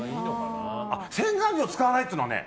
あ、洗顔料使わないっていうのはね